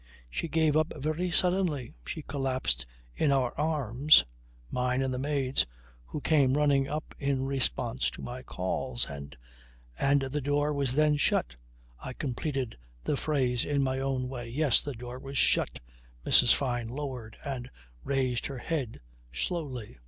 She gave up very suddenly. She collapsed in our arms, mine and the maid's who came running up in response to my calls, and ..." "And the door was then shut," I completed the phrase in my own way. "Yes, the door was shut," Mrs. Fyne lowered and raised her head slowly.